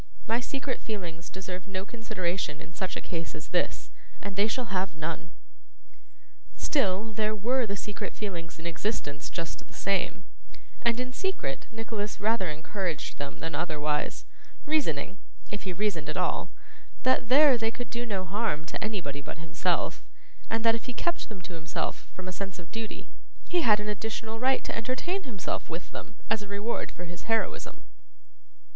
My secret feelings deserve no consideration in such a case as this, and they shall have none.' Still, there were the secret feelings in existence just the same, and in secret Nicholas rather encouraged them than otherwise; reasoning (if he reasoned at all) that there they could do no harm to anybody but himself, and that if he kept them to himself from a sense of duty, he had an additional right to entertain himself with them as a reward for his heroism.